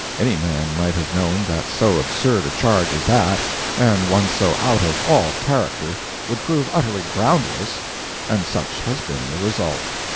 Any man might have known that so absurd a charge as that, and one so out of all character, would prove utterly groundless, and such has been the result.